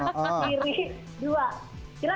kanan dua kiri dua